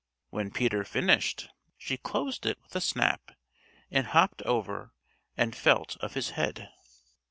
When Peter finished, she closed it with a snap and hopped over and felt of his head.